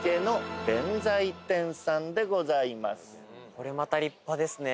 これまた立派ですね。